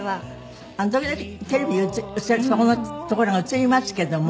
時々テレビでそこのところが映りますけども。